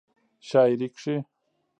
شاعرۍ کې